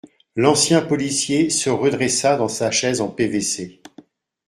L’ancien policier se redressa dans sa chaise en PVC.